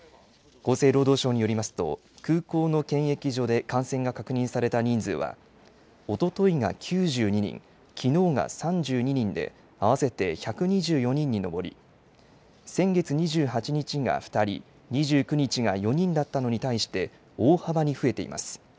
厚生労働省によりますと空港の検疫所で感染が確認された人数は、おとといが９２人、きのうが３２人で、あわせて１２４人に上り、先月２８日が２人、２９日が４人だったのに対して大幅に増えています。